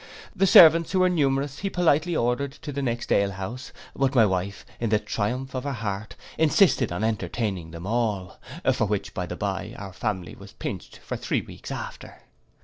The servants, who were numerous, he politely ordered to the next ale house: but my wife, in the triumph of her heart, insisted on entertaining them all; for which, by the bye, our family was pinched for three weeks after.